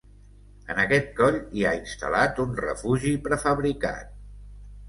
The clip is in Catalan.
En aquest coll hi ha instal·lat un refugi prefabricat.